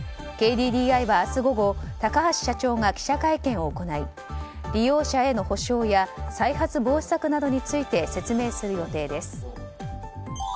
ＫＤＤＩは明日午後高橋社長が記者会見を行い利用者への補償や再発防止策などについて説明する予定です。